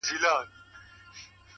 پوهه د پرمختګ تلپاتې ملګرې ده؛